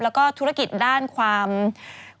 แล้วก็ธุรกิจด้านความเชื่อง